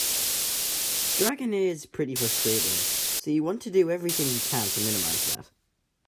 Dragon is pretty frustrating, so you want to do everything you can to minimize that.